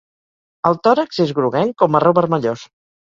El tòrax és groguenc o marró-vermellós.